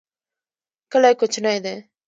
کلی کوچنی دی.